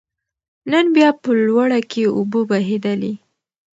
نن بيا په لوړه کې اوبه بهېدلې